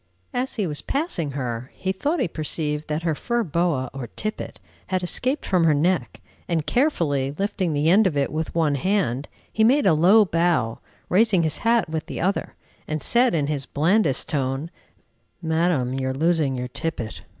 As he was passing her, he thought he perceived that her fur boa or tippet had escaped from her neck, and, carefully lifting the end of it with one hand, he made a low bow, raising his hat with the other, and said in his blandest tone, "Madam, you are losing your tippet!"